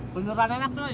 beneran enak cuy